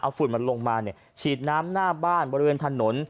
เอาฝุ่นใหม่ลงมาเนี่ยฉีดน้ำหน้าบ้านบริเวณถนน